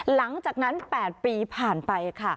หลังจากนั้น๘ปีผ่านไปค่ะ